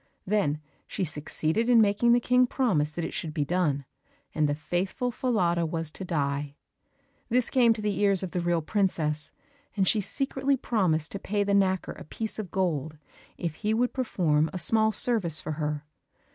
Then she succeeded in making the King promise that it should be done, and the faithful Falada was to die; this came to the ears of the real princess, and she secretly promised to pay the knacker a piece of gold if he would perform a small service for her.